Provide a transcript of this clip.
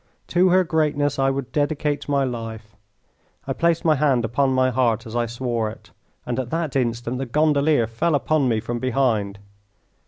To her greatness I would dedicate my life. I placed my hand upon my heart as I swore it, and at that instant the gondolier fell upon me from behind.